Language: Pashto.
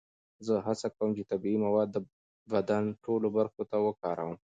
زه هڅه کوم چې طبیعي مواد د بدن ټولو برخو ته وکاروم.